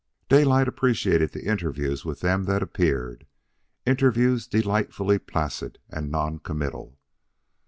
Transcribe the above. Daylight appreciated the interviews with them that appeared interviews delightfully placid and non committal.